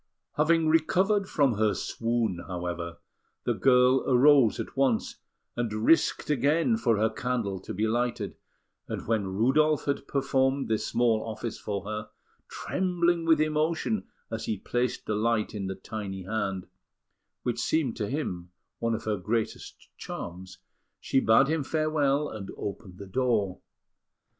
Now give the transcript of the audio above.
Having recovered from her swoon, however, the girl arose at once, and risked again for her candle to be lighted; and when Rudolf had performed this small office for her, trembling with emotion as he placed the light in the tiny hand, which seemed to him one of her greatest charms, she bade him farewell, and opened the door.